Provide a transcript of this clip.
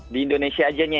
di indonesia aja ya